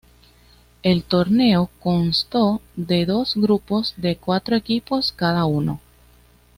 El torneo constó en dos grupos de cuatro equipos cada uno.